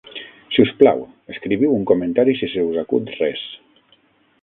Si us plau, escriviu un comentari si se us acut res!